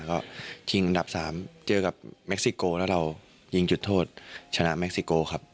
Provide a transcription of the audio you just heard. ก็ชิงอันดับ๓เจอกับเม็กซิโกแล้วเรายิงจุดโทษชนะเม็กซิโกครับ